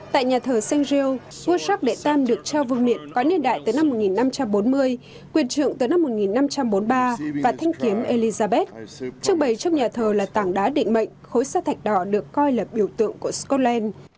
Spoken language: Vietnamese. tại nhà thờ st gilles vua jacques iii được trao vương miệng có niên đại từ năm một nghìn năm trăm bốn mươi quyền trượng từ năm một nghìn năm trăm bốn mươi ba và thanh kiếm elizabeth trưng bày trong nhà thờ là tảng đá định mệnh khối xa thạch đỏ được coi là biểu tượng của scotland